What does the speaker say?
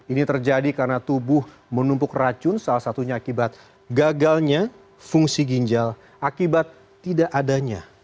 ini terjadi karena tubuh menumpuk racun salah satunya akibat gagalnya fungsi ginjal akibat tidak adanya